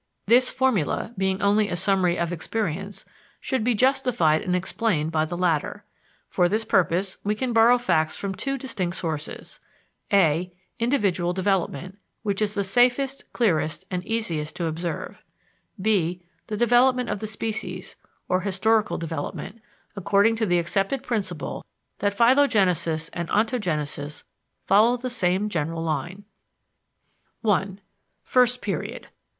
This formula, being only a summary of experience, should be justified and explained by the latter. For this purpose we can borrow facts from two distinct sources: (a) individual development, which is the safest, clearest, and easiest to observe; (b) the development of the species, or historical development, according to the accepted principle that phylogenesis and ontogenesis follow the same general line. I _First Period.